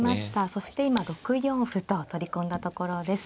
そして今６四歩と取り込んだところです。